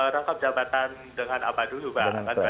rangkap jabatan dengan apa dulu pak